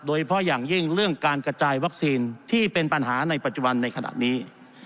โดยเฉพาะอย่างยิ่งเรื่องการกระจายวัคซีนที่เป็นปัญหาในปัจจุบันในขณะนี้